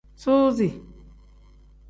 Suuzi.